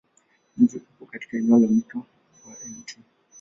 Mji upo katika eneo la Mto wa Mt.